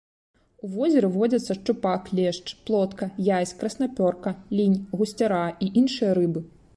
У возеры водзяцца шчупак, лешч, плотка, язь, краснапёрка, лінь, гусцяра і іншыя рыбы.